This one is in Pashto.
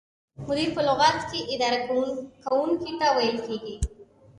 مدیر په لغت کې اداره کوونکي ته ویل کیږي.